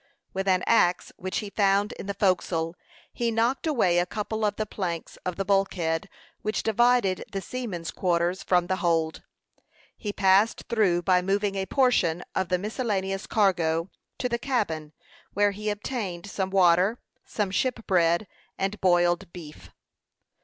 With an axe which he found in the forecastle, he knocked away a couple of the planks of the bulkhead which divided the seamen's quarters from the hold. He passed through, by moving a portion of the miscellaneous cargo, to the cabin, where he obtained some water, some ship bread, and boiled beef.